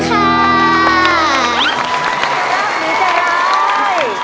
เธอจะรัก